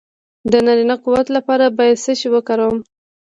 د نارینه قوت لپاره باید څه شی وکاروم؟